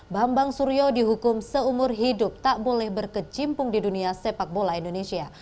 bambang suryo dihukum seumur hidup tak boleh berkecimpung di dunia sepak bola indonesia